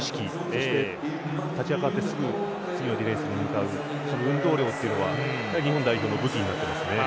そして、立ち上がってすぐ次のディフェンスに向かう運動量というのは日本代表の武器ですね。